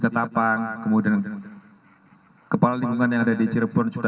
kemudian ibu tirinya kemudian juga ibu kandungnya kemudian juga ibu kandungnya kemudian juga ibu kandungnya kemudian